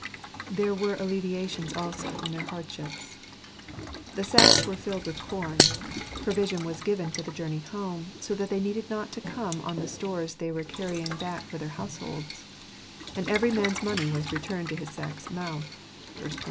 There were alleviations also in their hardships. The sacks were filled with corn; provision was given for the journey home, so that they needed not to come on the stores they were carrying back for their households ; and every man's money was returned in his sack's mouth (verse 25).